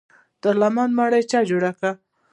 دارالامان ماڼۍ چا جوړه کړه؟